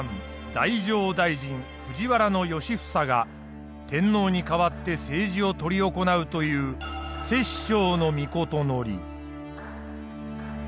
太政大臣藤原良房が天皇に代わって政治を執り行うという摂政の詔。